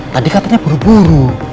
tadi katanya buru buru